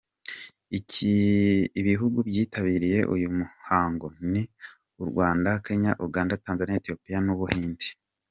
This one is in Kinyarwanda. Ibihugu byitabiriye uyu muhango ni u Rwanda, Kenya, Uganda, Tanzania, Ethiopia n’u Buhinde.